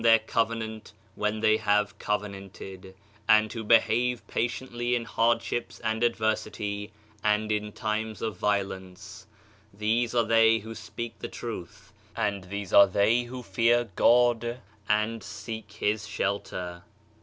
107 Digitized by Google MYSTERIOUS FORCES covenant when they have covenanted ; and who be have patiently in hardships and adversity and in times oi violence; these are they who speak the truth and these arc they who fear God and seek his shelter."